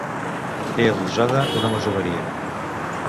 Té adossada una masoveria.